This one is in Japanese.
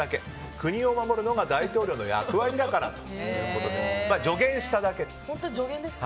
国を守るのが大統領の役割だからということで本当に助言ですか。